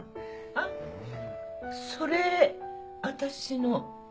あっそれ私の